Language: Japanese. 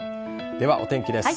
では、お天気です。